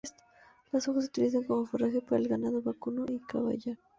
Las hojas se utilizan como forraje para el ganado vacuno y caballar.